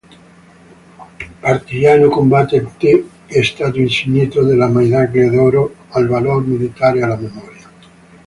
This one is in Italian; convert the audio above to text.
Partigiano combattente, è stato insignito della Medaglia d'oro al Valor Militare alla memoria.